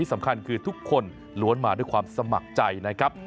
สำคัญคือทุกคนล้วนมาด้วยความสมัครใจนะครับ